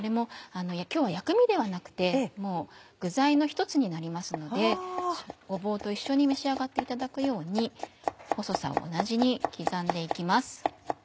今日は薬味ではなくてもう具材の１つになりますのでごぼうと一緒に召し上がっていただくように細さを同じに刻んで行きます。